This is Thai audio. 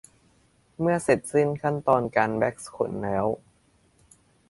เมื่อเสร็จสิ้นขั้นตอนการแว็กซ์ขนแล้ว